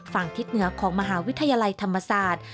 ทิศเหนือของมหาวิทยาลัยธรรมศาสตร์